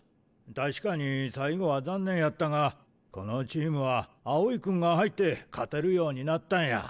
確かに最後は残念やったがこのチームは青井君が入って勝てるようになったんや。